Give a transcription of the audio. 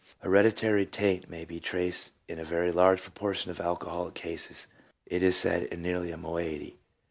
2 " Hereditary taint may be traced in a very large proportion of alcoholic cases — it is said in nearly a moiety.